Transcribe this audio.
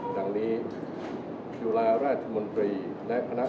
สวัสดีครับสวัสดีครับสวัสดีครับ